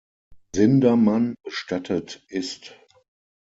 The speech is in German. Sindermann bestattet ist.